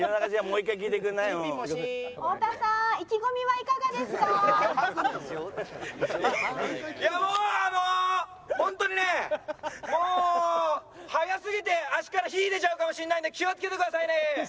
いやもうあのホントにねもう速すぎて足から火出ちゃうかもしれないんで気をつけてくださいね。